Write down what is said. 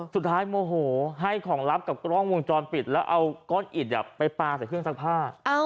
โมโหให้ของลับกับกล้องวงจรปิดแล้วเอาก้อนอิดไปปลาใส่เครื่องซักผ้า